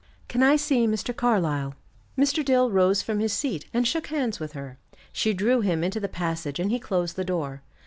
"Can I see Mr. Carlyle?" Mr. Dill rose from his seat and shook hands with her. She drew him into the passage and he closed the door.